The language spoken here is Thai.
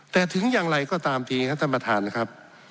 แต่ถึงอย่างไรก็ตามทีครับท่านประธานครับ